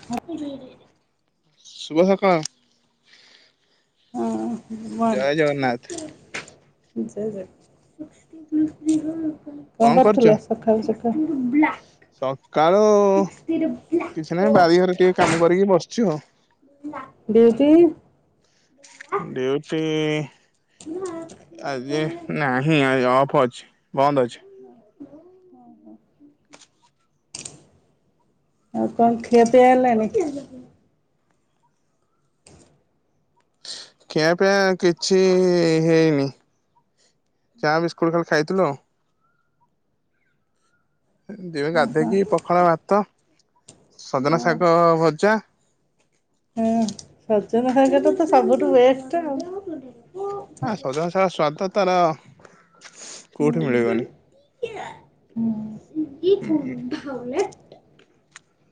[inaudible] ଶୁଭ ସକାଳ। ହଁ ଜୟ ବନ୍ଦ। ଜଗନ୍ନାଥ କଣ କରୁଥିଲ ସକାଳୁ ସକାଳୁ? ସକାଳୁ କିଛି ନାହିଁ ବାରିଘରେ ଟିକେ କାମ କରିକି ବସିଛି ଆଉ ଦିଦି। ଡିଉଟି ହଁ। ଆଜି ନାହିଁ ଅଫ୍ ଅଛି ବନ୍ଦ ଅଛି। ଓ ହୋ। ଆଉ କଣ ଖିଆପିଆ ହେଲାଣି କି? ଖିଆପିଆ କିଛି ହେଇନି? ଚା ବିସ୍କୁଟ୍ ଖାଲି ଖାଇଥିଲୁ ଆଉ ଏବେ ଓହୋ ଗାଧେଇକି ପଖାଳ ଭାତ ସଜନା ହଁ ଶାଗ ଭଜା। ହୁଁ ସଜନା ଶାଗଟା ତ ସବୁଠୁ ବେଷ୍ଟ ଆଉ ସଜନା ଶାଗ ସ୍ଵାଦ ତାର କୋଉଠି ମିଳିବନି। [inaudible]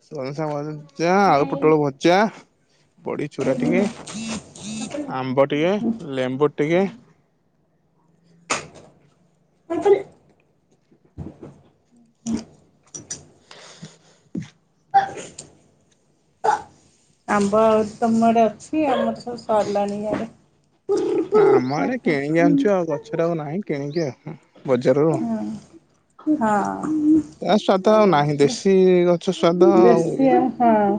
ସଜନା ଶାଗ ଭଜା ଆଳୁ ପୋଟଳ ଭଜା। ବଡି ଚୁରା ଟିକେ୍ ଆମ୍ବ ହୁଁ। ଟିକେ୍ ଲେମ୍ବୁ ଟିକେ। [inaudible] [unintelligible] [unintelligible] ଆମ୍ବ ତମଆଡେ ଅଛି ଆମର ସବୁ ସରିଲାଣି ଆଡେ? ଆମ ଆଡେ କିଣିକି ଆଣିଛୁ ଗଛରେ ଆଉ ନାହିଁ କିଣିକି ଆଣିଛୁ। ହଁ ହଁ। ତା ସ୍ଵାଦ ଆଉ ବାଇଗଣ ନାହିଁ ପୋଡ଼ା ଦେଶୀ ଗଛ ସ୍ୱାଦ ଆଉ ଦେଶୀ ଇଏ ଆମ୍ବ ହଁ।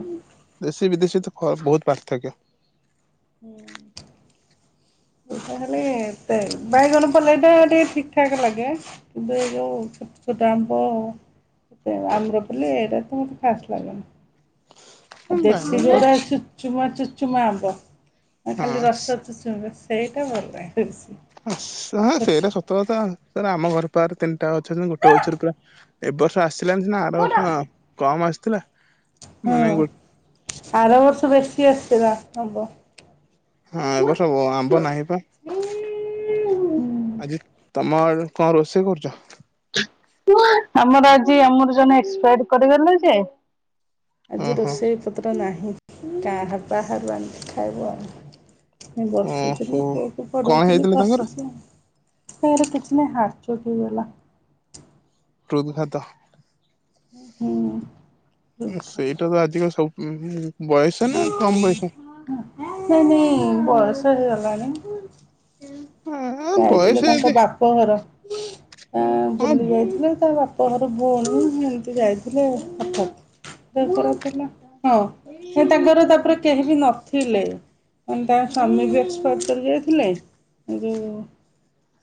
ଦେଶୀ ବିଦେଶୀ ତ ବହୁତ ପାର୍ଥକ୍ୟ। ହୁଁ [inaudible] ତା ମାନେ ବାଇଗଣ ପଲେଇ ଟା ଟିକେ ଠିକ ଠାକ ଲାଗେ। କିନ୍ତୁ ଯୋଉ ଛୋଟ ଛୋଟ ଆମ୍ବ ଆମ୍ଭ୍ର ପଲେଇ ଏଇଟା ତ ମୋତେ ଖାସ୍ ଲାଗେନି। ଆଉ ଦେଶୀ ବାଇଗଣ ପଲ୍ ଗୁଡା ଚୁଚୁମା ଚୁଚୁମା ଆମ୍ବ ଖାଲି ହଁ ସ- ରସ ଚୁଚୁମା ବେଶୀ ସେଇଟା ଭଲ ଲାଗେ ବେଶୀ। ସେଇଟା ହଁ ସତକଥା ଆମ ଘର ପା ତିନିଟା ଗଛ ଅଛି ଗୋଟେ ଗଛରେ ପୁରା ଏ ବର୍ଷ ଆସିଲା ସିନା ଆର ବର୍ଷ କମ୍ ଆସିଥିଲା। ହୁଁ ମାନେ ଗୋ ଆର ବର୍ଷ ବେଶୀ ଆସିଥିଲା ଆମ୍ବ। ହଁ ଏ ବର୍ଷ ଆମ୍ବ ନାହିଁ ପା। ଆଜି ତମ ଆଡେ କଣ ରୋଷେଇ କରୁଛ? ଆମର ଆଜି ଆମର ଜଣେ ଏକ୍ସପାଏଡ଼ କରିଗଲେ ଯେ ଆଜି ଓହୋ ରୋଷେଇ ପତ୍ର ନାହିଁ କାହାର ବାହାରୁ ଆଣିକି ଖାଇବୁ ଆଉ। ମୁଁ ଓହୋ ବସିଥିଲି ପୁଅକୁ କଣ ପଢଉଥିଲି ହେଇଥିଲା ତାଙ୍କର ବସିଛି ଆଉ। ତାର କିଛି ନାହିଁ ହାଟଚୋକ ହେଇଗଲା। ହୃଦଘାତ। ହୁଁ ସେଇଟା ତ ଆଜିକା ସବୁ ବୟସ ନା କମ ବୟସ? ନାଇଁ ନାଇଁ ବୟସ ହେଇଗଲାଣି। ଆ ଯାଇଥିଲେ ବୟସ ତାଙ୍କ ଯଦି ବାପ ବାପ ଘର ନାଁ ହଁ ବୁଲି ଯାଇଥିଲେ ତା ବାପ ବାପ ଘର [inaudible] ହେମିତି ଯାଇଥିଲେ ହଠାତ ଦେହ ଖରାପ ହେଲା। ହଁ ହେ ତାଙ୍କର ତାପରେ କେହି ବି ନଥିଲେ। କଣ ତାଙ୍କ ସ୍ୱାମୀ ବି ଏକ୍ସପାର୍ଟ କରି ଯାଇଥିଲେ ଯେଉଁ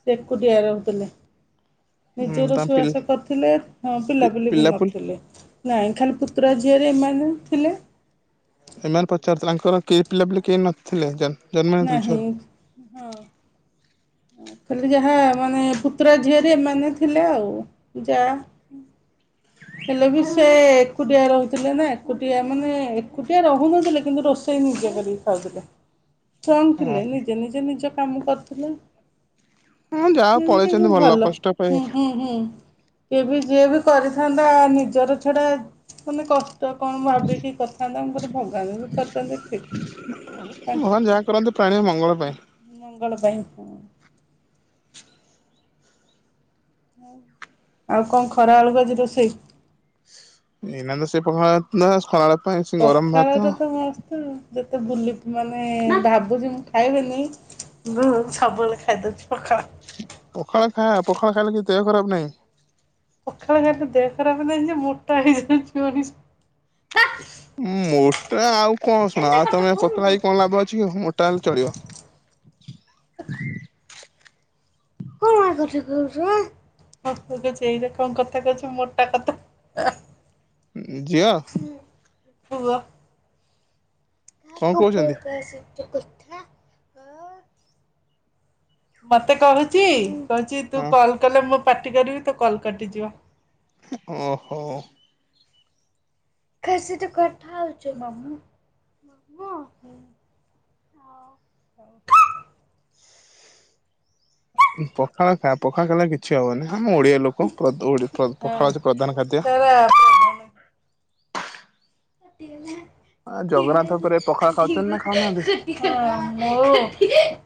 ସେ ଏକୁଟିଆ ରହୁଥିଲେ। ଉଁ ନିଜେ ତାଙ୍କ ପିଲା ରୋଷେଇବାସ କରୁଥିଲେ ହ ପି ପିଲାପିଲି ବି ପିଲାପୁଲି ନଥିଲେ। ଖାଲି ପୁତୁରା ଝିଅରି ଏମାନେ ଥିଲେ। ଏମାନେ ପଚାରୁ ଥିଲେ। ଆଙ୍କର କେହି ପିଲା ପିଲି କେହି ନ ଥିଲେ ଜନ୍ ହେଇନଥିଲେ ନାହଁ। ଛୁଆରୁ? ଖାଲି ଯାହା ମାନେ ପୁତୁରା ଝିଆରି ଏମାନେ ଥିଲେ ଆଉ ଯା ହେଲେ ବି ସେ ଏକୁଟିଆ ରହୁଥିଲେ ନା ଏକୁଟିଆ ମାନେ ଏକୁଟିଆ ରହୁନଥିଲେ କିନ୍ତୁ ରୋଷେ ରୋଷେଇ ନିଜେ କରି ଖାଉଥିଲେ। ଷ୍ଟ୍ରଙ୍ଗ ଓହୋ ଥିଲେ ନିଜେ ନିଜେ ନିଜ କାମ କରୁଥିଲେ। ହଁ ଯାହା ହଉ ସେମତି ବି ପଳେଇଛନ୍ତି ଭଲ କଷ୍ଟ ପାଇଁ ହୁଁ ହୁଁ। ହୁଁ କେବେ ଯିଏ ବି କରିଥାନ୍ତା ନିଜର ଛଡା ମାନେ କ ତ କଣ ଭାବିକି କରଥାନ୍ତା ତାଙ୍କର ଭଗବାନ ବି କରିଛନ୍ତି ଠିକ୍ ତାଙ୍କୁ କିନ୍ତୁ ପ୍ରାଣୀ ମଙ୍ଗଳ ପାଇଁ। ମଙ୍ଗଳ ପାଇଁ ହଁ। ଆଉ କଣ ଖରା ବେଳକୁ ଆଜି ରୋଷେଇ? ଏଇନା ତ ସେ ପଖାଳ ଭାତ ଥିଲା ଖରାବେଳ ପାଇଁ ସେ ଗରମ ଭାତ। ପଖାଳଟା ମସ୍ତ ତ ଯେତେ ବୁଲି ମାନେ ଭାବୁଛି ମୁଁ ଖାଇବିନି। ହୁଁ ସବୁବେଳେ ଖାଇ ଦଉଚି ପଖାଳ। ପଖାଳ ଖା ପଖାଳ ଖାଇଲେ କି ଦେହ ଖରାପ ନାହିଁ। ସଖାଳ ଖାଇଲେ ଦେହ ଖରାପ ନାଇଁ ଯେ ମୋଟା ହେଇଯାଉଚି ମଣିଷ। ମୋଟା ଆଉ କଣ ଶୁଣ ଆଉ ତମେ ପତଳା ହେଇକି କଣ ଲାଭ ଅଛି କି ମୋଟା ହେଲେ ଚଳିବ। କଣ ଏଇ କ କଥା କହୁଛି ମୋଟା କଥା। ଝିଅ। ପୁଅ। କଣ କାକୁ କହୁଛନ୍ତି ପକା [unintelligible] ସତ କଥା। ମତେ କହୁଛି କହୁଛି ତୁ ହଁ କଲ କଲେ ମୁଁ ପାଟି କରିବି ତ କଲ୍ କଟିଦିଅ। ଓହୋ। [unintelligible] କଥା ହଉଛ ମାମୁଁ ହଁ। ପଖାଳ ଖା ପଖାଳ ଖାଇଲେ କିଛି ହବନି ଆମ ଓଡିଆ ଲୋକ ପଖାଳ ହଁ ହୋଉଛି ପ୍ରଧାନ ଖାଦ୍ୟ। ଓଡ଼ିଶାର ପ୍ରଧାନ। ଆ ଜଗନ୍ନାଥ ଉପରେ ପଖାଳ [unintelligible] ଖାଉଛନ୍ତି ନା ଖାଉନାହାନ୍ତି [unintelligible]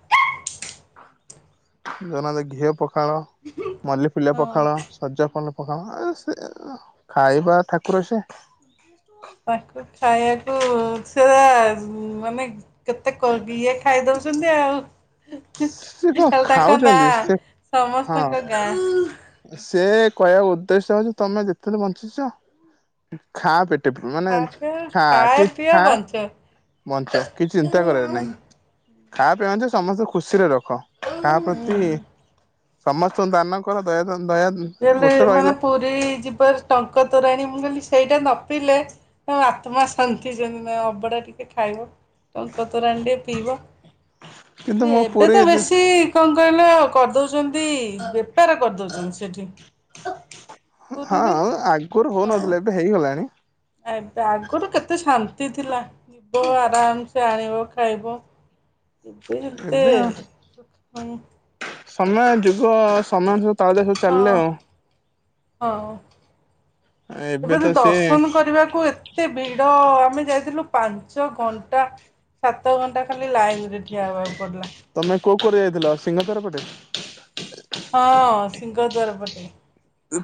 ଯୋଉ ନହଲେ ଘିଅ ପଖାଳ ମଲ୍ଲିଫୁଲିଆ ହଁ। ପଖାଳ। ସଜା ଫଲ ପକାମ ସେ ଖାଇବା ଠାକୁର ସେ। ତାକୁ ଖାଇବାକୁ ସେ ମାନେ କେତେ କ କିଏ ଖାଇ ଦଉଛନ୍ତି ଆଉ। ସେ କଣ ଆଉ ତାଙ୍କ ନା ଖାଉଛନ୍ତି ସେ ହଁ ସମସ୍ତଙ୍କ ଗାଁ। ସେ କହିବାକୁ ଉଦ୍ଦେଶ୍ୟ ହଉଛି ତମେ ଯେତେଦିନି ବଞ୍ଚିଛ ଖା ପେଟେ ମାନ ଖା ପିଅ ଖା ଖାଏ କି ପିଅ ଖା ବଞ୍ଚ ବଞ୍ଚ କିଛି ଚିନ୍ତା କରିବା ନାଇଁ ଖା ପିଅ ବଞ୍ଚ ସମସ୍ତେ ଖୁସିରେ ର କହ କାହା ହୁଁ। ପ୍ରତି ସମସ୍ତ ଦାନଙ୍କର ଦୟା ଧା ଦୟା ଗୋଟେ ଯେମିତି ରହିଲା ମାନେ ପୁରୀ ଯିବା ଟଙ୍କ ତୋରାଣି ମୁଁ କହିଲି ସେଇଟା ନ ପିଇଲେ ଏଁ ଆତ୍ମା ଶାନ୍ତି ଯେ ନାଇ ଅବଡ଼ା ଟିକେ ଖାଇବ। ଟଙ୍କା ତୋରାଣି ଟିକେ ପିଇବ କିନ୍ତୁ ମୋ ଏବେ ପୁରୀ ତ ବେଶୀ କଣ କହିଲେ ଆ କରିଦଉଛନ୍ତି ବେପାର କରିଦଉଛନ୍ତି ସେଠି। ହଁ ପୁରୀରେ ଆଗରୁ ହଉନଥିଲା ଏବେ ହେଇଗଲାଣି। ଏତ ଆଗରୁ କେତେ ଶାନ୍ତି ଥିଲା। ଯିବ ଆରାମସେ ଆଣିବ ଖାଇବ। ଏବେ ହେତେ ଏବେ ସ ସମୟ ଯୁଗ ସମାନ ତାଳ ଦେଇ ସବୁ ଚାଲିଲେ ଆଉ। ହଁ ଏବେ ବି ତ ସିଏ ଦର୍ଶନ କରିବାକୁ ଏ ଏତେ ଭିଡ଼ ଆମେ ଯାଇଥିଲୁ ପାଞ୍ଚ ଘଣ୍ଟା ସାତ ଘଣ୍ଟା ଖାଲି ଲାଇନ୍ ରେ ଠିଆ ହେବାକୁ ପଡିଲା। ତମେ କୋଉ କୋଉ ରେ ଯାଇଥିଲ ସିଂହ ଦ୍ୱାର ପଟେ? ହଁ ସିଂହଦ୍ଵାର ପଟେ।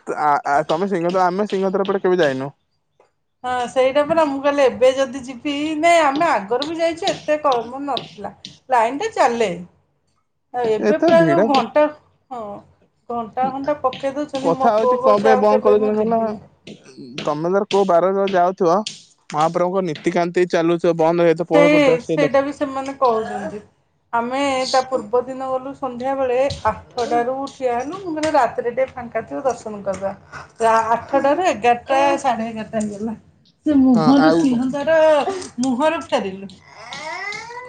ତ-ଆ-ଆ ତମେ ସିଂହାଦ୍ୱାର ଆମେ ସିଂହଦ୍ଵାର ପଟେ କେବେ ଯାଇନୁ। ହଁ ସେଇଟା ପରା ମୁଁ କହିଲେ ଏବେ ଯଦି ଯିବି ନାଇଁ ଆମେ ଆଗରୁ ବି ଯାଇଛୁ ଏତେ କମ ନ ନଥିଲା ଲାଇନ୍ ଟା ଚାଲେ ଆ ଏବେ ଏତେ ପ୍ରାୟ ଯୋଉ ଭିଡ ଘଣ୍ଟା ହଁ ଘଣ୍ଟା ଘଣ୍ଟା ପକେଇ ଦଉଛନ୍ତି କଥା ମୋ ହଉଛି ପୁଅ କଣ କହୁଛି ପାଇଁ ଆଉ ବନ୍ଦ କେବେ ମୁଁ କରିଦଉଛନ୍ତି ଯିବିନି। କହିଲ ତମେ ଧର କୋଉ ବାରର ଯାଉଥିବ ମହାପ୍ରଭୁଙ୍କ ନୀତିକାନ୍ତି ଚାଲୁଥିବ ବନ୍ଦ ହୁଏ ସେଇ ସେଇଟା ବି ସେମାନେ କହୁଛନ୍ତି ଆମେ ତା ପୂର୍ବ ଦିନ ଗଲୁ ସନ୍ଧ୍ୟାବେଳେ ଆଠଟାରୁ ଠିଆ ହେଲୁ ମୁଁ କହିଲୁ ରାତିରେ ଟିକେ ଫାଙ୍କା ଥିବ ଦର୍ଶନ କରିଦବା। ଆଠଟରୁ ଏଗାରଟା ସାଢ଼େ ଏଗାରଟା ହେଇଗଲା। ସେ ହଁ ମୁହଁରୁ ଆଉ ସିଂହଦ୍ଵାର ମୁହଁରୁ ଫେରିଲୁ।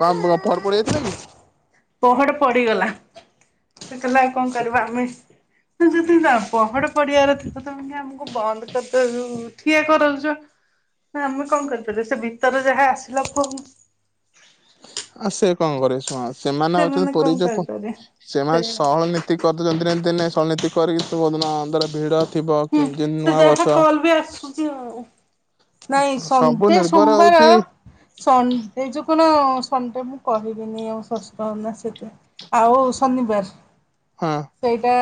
କଣ ଫର ପହଡ ପଡ଼ି ଯାଇଥିଲା କି? ପହଡ ପଡିଗଲା ସେତେବେଲେ କଣ କରିବା ଆମେ ଯଦି ପହଡ ପଡିିବାର ଥିଲା ତମେ ଆମକୁ ବନ୍ଦ କରିଦେଉଛ ଠିଆ କରାଉଛ। ନା ଆମେ କଣ କରିପାରିବୁ ସେ ଭିତରେ ଯାହା ଆସିଲା ପୁଅ ଆ ସେ କଣ କରିବେ ଶୁଣ ସେମାନେ ଅଛନ୍ତି କଣ ପରିଚ କରିପାରିବେ। ସେ ସେମାନେ ହୁଁ ସହଳ ନୀ ତି କରିଦଉଛନ୍ତି ଯେମିତି ନାହିଁ ଶଳନୀତି କରିକି [unintelligible] ଭିଡ଼। ହୁଁ ସେ ଜାହା କଲ୍ ବି ଆସୁଛି ଆଉ। ନାଇଁ ସବୁ ସନ୍ତେ ନିର୍ଭର ସୋମବାର ହଉଛି ସଣ୍ଡେ ଯୋଗୁ ନା ସଣ୍ଡେ ମୁଁ କହିବିନି ଆଉ ଶସୁରଙ୍କ ନା ସେଇଥିରେ ଆଉ ଶନିବାର ହଁ। ସେଇଟା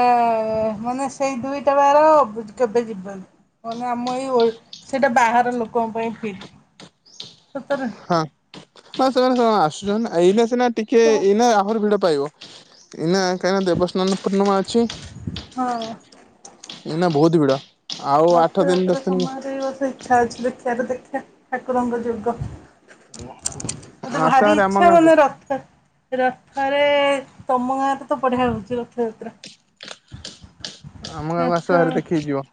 ମାନେ ସେଇ ଦୁଇଟା ବାର ବୁ କେବେ ଯିବନି ମାନେ ଆମ ଏଇ ଓ ସେଇଟା ବାହାର ଲୋକଙ୍କ ପାଇଁ ଫିଟ୍। ସତରେ? ହଁ ହ ସେମାନେ ମାନେ ଆସୁଛନ୍ତି ଏଇନା ସିନା ଟିକେ ସବୁ ଏଇନା ଆହୁରି ଭିଡ ପାଇବ ଏଇନା କାହିଁକ ନା ଦେବସ୍ନାନ ପୂର୍ଣ୍ଣିମା ଅଛି ହଁ। ଏଇନା ବହୁତ ଭିଡ। ଆଉ ଆଠ ଦିନ ରଥଯାତ୍ରା ଦଶ ଦିନ ସମୟରେ ଏଇ ବର୍ଷ ଇଚ୍ଛା ଅଛି ଦେଖିବାକୁ ଦେଖିବା ଠାକୁରଙ୍କ ଯୋଗ। ମତେ ଆସ ଭାରି ଆମ ଇଚ୍ଛା ଗାଁକୁ ମାନେ ରଥ ରଥରେ ତମ ଗାଁରେ ତ ବଢିଆ ହଉଛି ରଥଯାତ୍ରା। ଆମ ଗାଁକୁ ରଥ ଆସ ଆମ ହେରି ଦେଖିକି ଯିବ?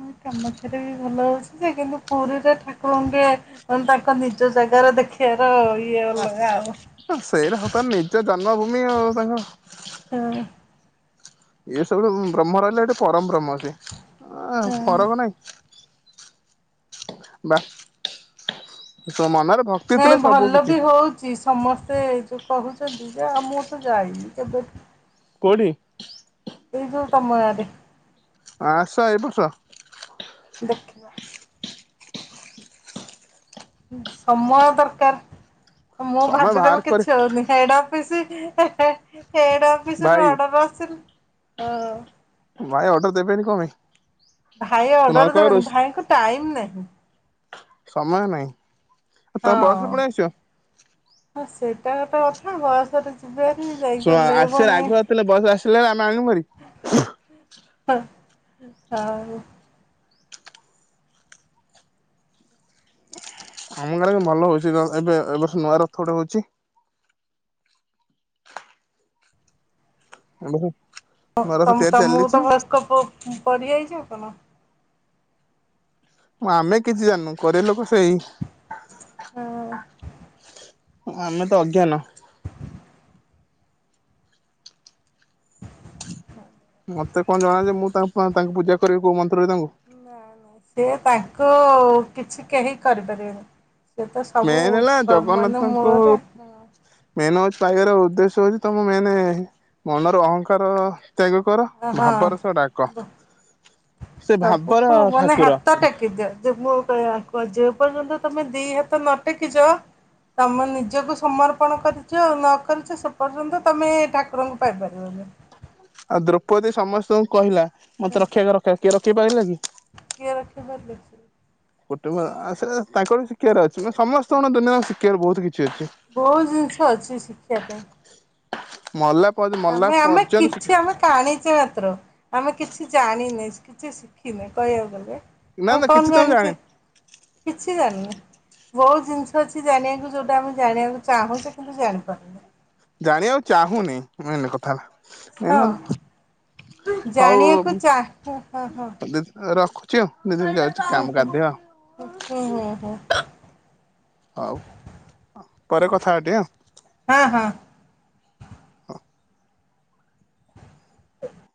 ମୁଁ କାମାକ୍ଷରେ ବି ଭଲ ହେଉଛି ଯେ କିନ୍ତୁ ପୁରୀରେ ଠାକୁରଙ୍କୁ ଟିକେ ମାନେ ତାଙ୍କ ନିଜ ଜାଗାରେ ଦେଖିଆର ଇଏ ଅଲଗା ଆଉ ସେଇଟା ସତ ନିଜ ଜନ୍ମଭୂମି ଆଉ ତାଙ୍କ ହଁ। ଏ ସବୁଠୁ ବ୍ରହ୍ମ ରହିଲେ ଏଠି ପରମ ବ୍ରହ୍ମ ହଁ। ସେଏ ଫରକ ନାଇଁ? ବା ତମ ମନର ନାଇଁ ଭଲ ବି ହଉ ସମସ୍ତେ ଏ ଯୋଉ କହୁଛନ୍ତି ଯେ ଆ ମୁଁ ତ ଯାଇନି କେବେ ବି କୋଉଠି? ଏଇ ଯୋଉ ତମ ଗାଁ ରେ ଆସ ଏଇ ବର୍ଷ। ଦେଖିବା ସମୟ ଦରକାର ମୁଁ ସମୟ ଭାବିଦେଲେ ବାହାର କରି କିଛି ହଉନି ହେଇଡା ି ଏଟା ପି ଭାଇ ଅଡର ଆସ ହ ଭାଇ ଅର୍ଡର ଦେବେନି କଣ ପାଇଁ ଭାଇ ତୁ ନ ଅର୍ଡର କହ ଦେବନି ରୋଷ୍ ଭାଇଙ୍କୁ ଟାଇମ ନାହିଁ। ସମୟ ନାହିଁ। ଆଉ ତମେ ବସ ରେ ପଳେଇ ଆସିବ। ହଁ ସେଇଟା ଗୋଟେ କଥା ବୟସରେ ଯିବେ ଶୁଣ ଆସିଲେ ରାଗ ଆସଥିଲେ ବସ ଆସିଲେ ଆମେ ଆଣୁରି ହଁ ହଉ ଆମ ଗାରେ ଭଲ ହଉଛି ଏବେଏ ବର୍ଷ ନୂଆ ରଥ ଗୋଟେ ହଉଛି [inaudible] ନୂଆ ରଥ ତ ତିଆରି ତମକୁ ଚାଲିଛି ତ ଫାଷ୍ଟ କ ପଡିିଯାଇଛି ଆଉ କଣ ଆମେ କିଛି ଜାଣିନୁ କରିବା ଲୋକ ସେଇ ହଁ। ଆମେ ତ ଅଜ୍ଞାନ। ମତେ କଣ ଜଣା ଯେ ମୁଁ ତା ତାଙ୍କୁ ପୂଜା କରିବି କୋଉ ମନ୍ତ୍ରରେ ତାଙ୍କୁ ନାଇ ନାଇଁ ସେ ତାଙ୍କୁ କିଛି କେହି କରିପାରିବେନି ସେ ତ ସବୁ ମେନ୍ ହେଲା ମାନେ ଜଗନ୍ନାଥଙ୍କୁ ମୂଳରେ ମେନ୍ ହଉଛି ପାଇବାର ଉଦ୍ଦେଶ୍ୟ ହଉଛି ତମ ମେନ ମନର ଅହଙ୍କାର, ତ୍ୟାଗ କର ଭାବର ସହ ଡାକ। ହଁ। ସେ ଭାବର ସବୁକୁ ମାନେ ଠାକୁର ହାତ ଟେକିଦିଅ ଯେ ମୁଁ ଦେଖ ଯେ ପର୍ଯ୍ୟନ୍ତ ତମେ ଦି ହାତ ନଟେକିଛ ତମେ ନିଜକୁ ସମର୍ପଣ କରିଛ ନ କରିଛ ସେ ପର୍ଯ୍ୟନ୍ତ ତମେ ଠାକୁରଙ୍କୁ ପାଇବନି। ହଁ ଆଉ ଦ୍ରୌପଦୀ ସମସ୍ତଙ୍କୁ କହିଲା ମତେ ରକ୍ଷାକର ମତେ ରକ୍ଷା କର କିଏ ରକ୍ଷା କରି ପାରିଲା କି? କିଏ ରକ୍ଷା କଲେ? ଗୋଟେ ସେ ତାଙ୍କର ଶିକ୍ଷିବାର ଅଛି ନ ସମସ୍ତଙ୍କର ଦୁନିଆରେ ଶିଖିବାର ବହୁତ କିଛି ଅଛି। ବହୁତ ଜିନିଷ ଅଛି ଶିଖିବା ପାଇଁ। ମଲା ପର୍ଯ୍ୟ ମଲା ଆମେ ଆମେ ପର୍ଯ୍ୟନ୍ତ କିଛି ଆମେ ଆଣିଛେ ମାତ୍ର ଆମେ କିଛି ଜାଣିନି କିଛି ଶିଖିନେ କହିବାକୁ ଗଲେ। ନା ଆଉ ନା କିଛି କଣ ତମେ ଜାଣି ଜାଣିଛେ? କିଛି ଜାଣିନେ ବହୁତ ଜିନିଷ ଅଛି ଜାଣିବାକୁ ଯୋଉଟା ଆମେ ଜାଣିବାକୁ ଚାହୁଁଛେ କିନ୍ତୁ ଜାଣିପାରୁନେ। ଜାଣିବାକୁ ଚାହୁଁନେ ମେନ୍ କଥା ହେଲା, ମେନ୍ ହଁ। ହେଲା ହଉ, ଜାଣିବାକୁ ଚାହେଁ ହଁ ହଁ। ହୁଁ ରଖୁଛି ଆଉ ଦିଦି ମୁଁ ଯାଉଛି କାମ ଗାଧେଇବା ଆଉ ଓହୋ ହଉ ହଉ। ହଉ ପରେ କଥା ହେବା ଟିକେ ଆଉ। ହଁ ହଁ [inaudible]